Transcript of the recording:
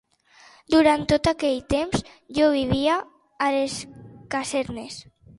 Durant tot aquell temps jo vivia a les casernes